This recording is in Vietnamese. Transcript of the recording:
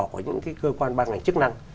của những cơ quan ban ngành chức năng